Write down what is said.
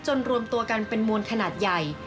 รวมตัวกันเป็นมวลขนาดใหญ่